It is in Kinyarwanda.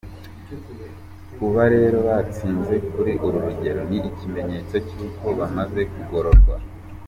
Kuba rero batsinze kuri uru rugero ni ikimenyetso cy’uko bamaze kugororwa.